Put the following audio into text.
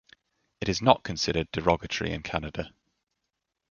It is not considered derogatory in Canada.